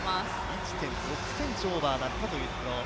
１．６ｃｍオーバーだったというところ。